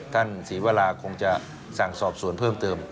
ท่านศรีวราคงจะสั่งสอบสวนเพิ่มเติม